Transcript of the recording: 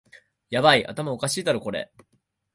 ヤバい、頭おかしいだろこれ